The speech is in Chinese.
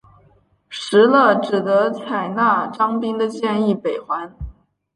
石勒只得采纳张宾的建议北还。